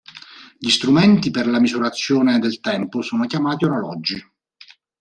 Gli strumenti per la misurazione del tempo sono chiamati orologi.